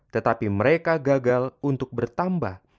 tetapi mereka gagal untuk bertambah